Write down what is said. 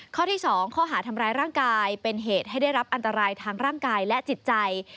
ข้อที่๒ข้อหาทำร้ายร่างกายเป็นเหตุให้ได้รับอันตรายทางร่างกายและจิตใจ